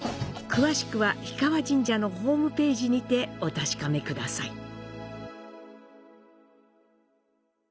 詳しくは氷川神社のホームページにてお確かめください。